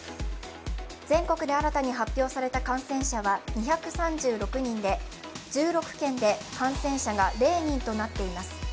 全国で新たに発表された感染者は２３６人で１６県で感染者が０人となっています。